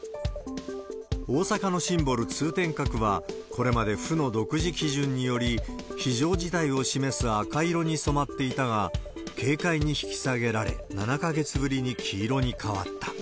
大阪のシンボル、通天閣は、これまで府の独自基準により、非常事態を示す赤色に染まっていたが、警戒に引き下げられ、７か月ぶりに黄色に変わった。